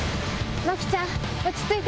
まきちゃん落ち着いて。